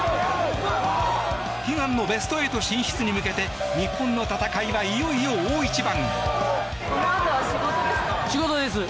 悲願のベスト８進出に向けて日本の戦いは、いよいよ大一番。